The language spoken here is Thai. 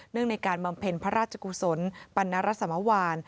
เนื่องในการบำเพ็ญพระราชกุศลปัณฑ์รัฐสมวรรณ